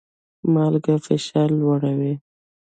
مالګه فشار لوړوي